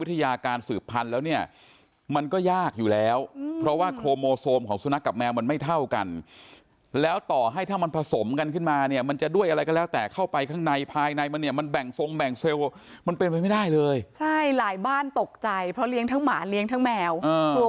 การสืบพันธุ์แล้วเนี่ยมันก็ยากอยู่แล้วเพราะว่าโครโมโซมของสุนัขกับแมวมันไม่เท่ากันแล้วต่อให้ถ้ามันผสมกันขึ้นมาเนี่ยมันจะด้วยอะไรก็แล้วแต่เข้าไปข้างในภายในมันเนี่ยมันแบ่งทรงแบ่งเซลล์มันเป็นไปไม่ได้เลยใช่หลายบ้านตกใจเพราะเลี้ยงทั้งหมาเลี้ยงทั้งแมวตัว